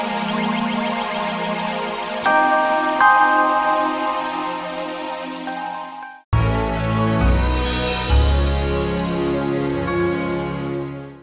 deng gelitik kedengar menurun